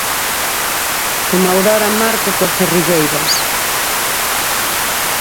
Como Aurora Marco coas guerrilleiras.